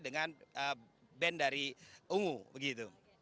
dengan band dari ungu begitu